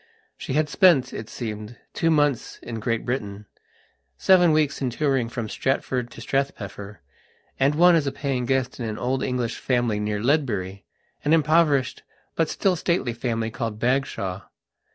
She had spent, it seemed, two months in Great Britainseven weeks in touring from Stratford to Strathpeffer, and one as paying guest in an old English family near Ledbury, an impoverished, but still stately family, called Bagshawe.